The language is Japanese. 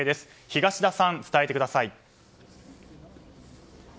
東田さん、伝えてください。